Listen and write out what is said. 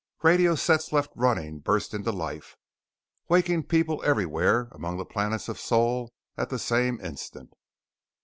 Radio sets left running burst into life, waking people everywhere among the planets of Sol at the same instant.